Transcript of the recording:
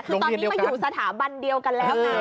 คือตอนนี้มาอยู่สถาบันเดียวกันแล้วนะ